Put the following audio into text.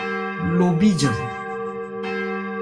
Lo bíjan.